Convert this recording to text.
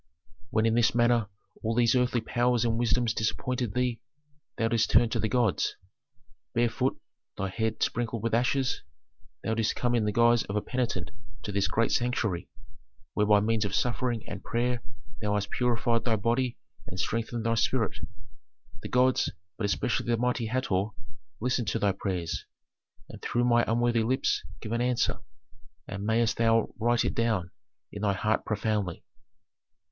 "When in this manner all these earthly powers and wisdoms disappointed thee, thou didst turn to the gods. Barefoot, thy head sprinkled with ashes, thou didst come in the guise of a penitent to this great sanctuary, where by means of suffering and prayer thou hast purified thy body and strengthened thy spirit. The gods but especially the mighty Hator listened to thy prayers, and through my unworthy lips give an answer, and mayst thou write it down in thy heart profoundly."